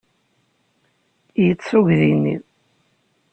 Yeṭṭes uydi-ni.